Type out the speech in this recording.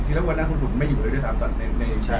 จริงแล้ววันนั้นคุณหุ่นไม่อยู่เลยด้วยสามตอนในจังหวะนั้น